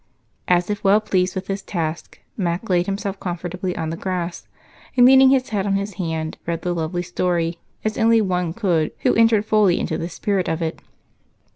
As if well pleased with his task, Mac laid himself comfortably on the grass and, leaning his head on his hand, read the lovely story as only one could who entered fully into the spirit of it.